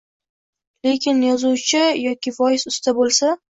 Lekin yozuvchi yoki voiz usta bo‘lsa